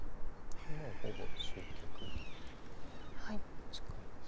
もうほぼ終局が近いです。